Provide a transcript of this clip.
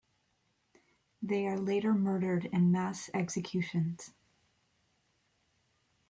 They are later murdered in mass executions.